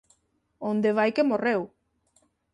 Onde vai que morreu!